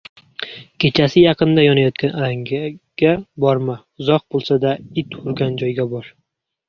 • Kechasi yaqindagi yonayotgan alangaga borma, uzoq bo‘lsa-da it hurigan joyga bor.